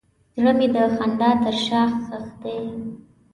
زړه مې د خندا تر شا ښخ دی.